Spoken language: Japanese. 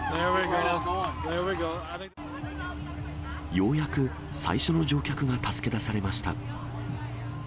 ようやく最初の乗客が助け出されました。